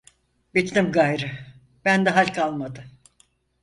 Bittim gayrı, bende hal kalmadı.